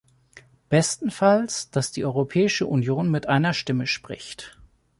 Bestenfalls, dass die Europäische Union mit einer Stimme spricht.